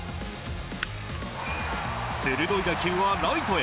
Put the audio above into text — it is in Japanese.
鋭い打球はライトへ。